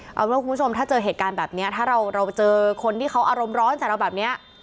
เอาเป็นว่าคุณผู้ชมถ้าเจอเหตุการณ์แบบนี้ถ้าเราเจอคนที่เขาอารมณ์ร้อนใส่เราแบบนี้